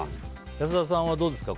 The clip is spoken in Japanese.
安田さんはどうですか？